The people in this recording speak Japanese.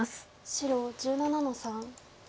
白１７の三。